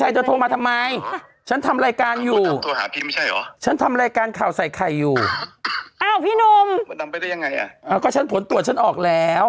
ดำไปได้ยังไงอ่ะก็ฉันผลตรวจฉันออกแล้ว